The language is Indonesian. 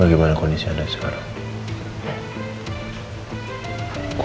bagaimana kondisi anda sekarang